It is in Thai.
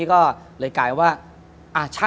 ที่ผ่านมาที่มันถูกบอกว่าเป็นกีฬาพื้นบ้านเนี่ย